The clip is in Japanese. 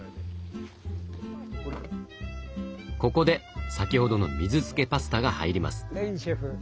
ここで先ほどの水づけパスタが入ります。